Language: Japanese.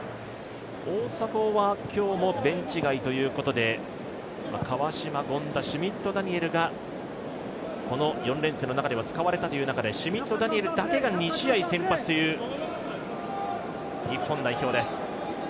大迫は今日もベンチ外ということで川島、権田、シュミット・ダニエルがこの４連戦の中では使われたという中でシュミット・ダニエルだけが２試合先発という日本代表です。